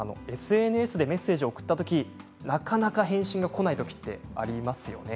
ＳＮＳでメッセージを送ったときなかなか返信がこないときありますよね。